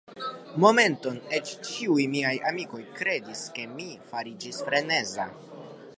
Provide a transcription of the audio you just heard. Momenton eĉ ĉiuj miaj amikoj kredis, ke mi fariĝis freneza.